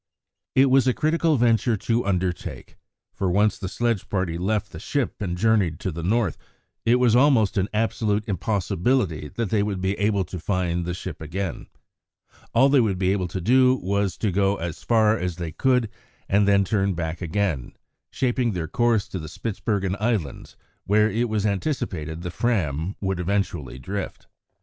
It was a critical venture to undertake, for once the sledge party left the ship and journeyed to the North, it was almost an absolute impossibility that they would be able to find the ship again. All they would be able to do was to go as far as they could and then turn back again, shaping their course to the Spitzbergen Islands, where it was anticipated the Fram would eventually drift.